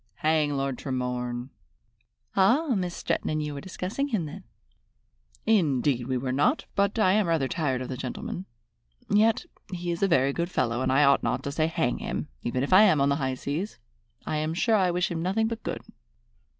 "Hang Lord Tremorne!" "Ah, Miss Stretton and you were discussing him then?" "Indeed we were not, but I am rather tired of the gentleman. Yet he is a very good fellow, and I ought not to say 'Hang him!' even if I am on the high seas. I am sure I wish him nothing but good."